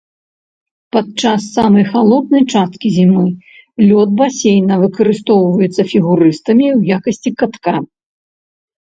Падчас самай халоднай часткі зімы, лёд басейна выкарыстоўваецца фігурыстамі ў якасці катка.